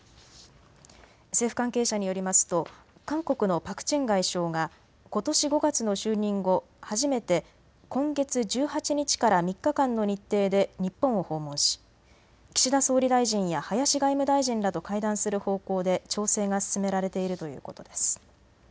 政府関係者によりますと韓国のパク・チン外相がことし５月の就任後、初めて今月１８日から３日間の日程で日本を訪問し岸田総理大臣や林外務大臣らと会談する方向で調整が進められているということです。